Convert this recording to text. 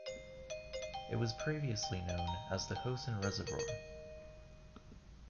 It was previously known as the Hosen Reservoir.